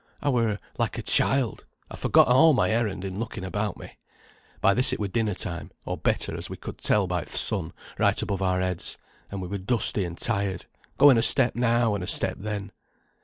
I were like a child, I forgot a' my errand in looking about me. By this it were dinner time, or better, as we could tell by th' sun, right above our heads, and we were dusty and tired, going a step now and a step then.